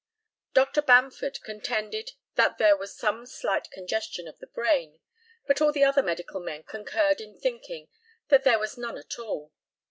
Dr. Bamford contended that there was some slight congestion of the brain, but all the other medical men concurred in thinking that there was none at all.